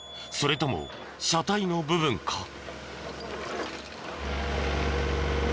それとも車体の部分か？